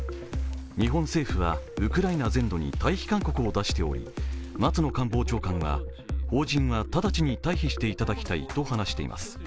日本政府はウクライナ全土に退避勧告を出しており松野官房長官は、邦人は直ちに退避していただきたいと話しています。